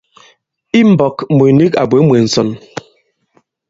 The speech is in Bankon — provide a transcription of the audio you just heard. I mbɔ̄k mùt nik à bwě mwē ǹsɔn.